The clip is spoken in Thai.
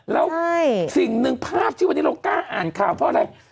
แล้วสิ่งหนึ่งภาพที่วันนี้เรากล้าอ่านข่าวเพราะอะไร